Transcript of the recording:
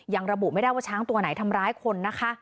ระบุไม่ได้ว่าช้างตัวไหนทำร้ายคนนะคะ